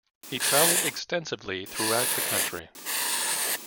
He traveled extensively throughout the country.